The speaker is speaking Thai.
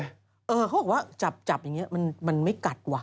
เขาบอกว่าจับอย่างนี้มันไม่กัดว่